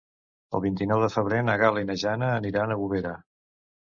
El vint-i-nou de febrer na Gal·la i na Jana aniran a Bovera.